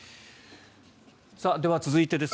では、続いてです。